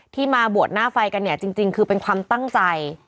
ที่มาบวชหน้าไฟกันเนี่ยจริงคือเป็นความตั้งใจ